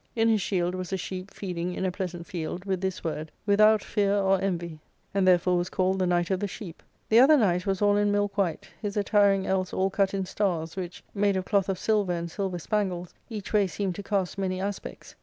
In his shield was a sheep feeding in a pleasant field, with this word, " Without fear or envy ;" and therefore ARCADIA,— Book III, 333 was called the Knight of the Sheep. The other knight was all in milk white, his attiring else all cut in stars, which, made of cloth of silver and silver spangles, each way seemed to cast many aspects.